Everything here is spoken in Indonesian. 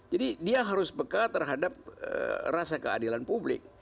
jadi dia harus bekal terhadap rasa keadilan publik